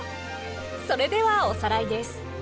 それではおさらいです。